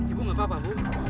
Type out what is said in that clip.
ibu gapapa ibu